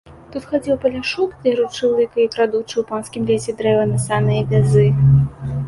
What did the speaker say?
Тут хадзіў паляшук, дзеручы лыка і крадучы ў панскім лесе дрэва на санныя вязы.